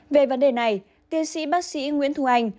về vấn đề này tiến sĩ bác sĩ nguyễn thu anh